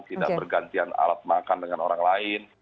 tidak bergantian alat makan dengan orang lain